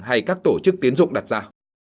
hay các tổ chức tiến dụng đặt ra